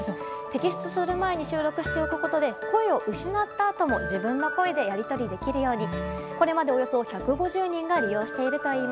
摘出する前に収録しておくことで声を失ったあとも自分の声でやり取りできるように。